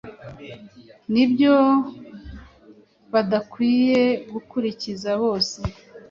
n’ibyo badakwiye gukurikiza bose